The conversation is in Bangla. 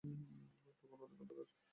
তখন অনেক অন্ধকার।